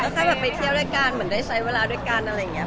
ถ้าอยากไปเที่ยวด้วยการเหมือนได้ใช้เวลาด้วยกามีค่ะ